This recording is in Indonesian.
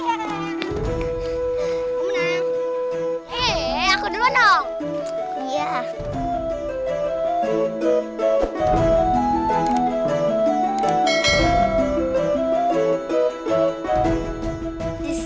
hei aku duluan dong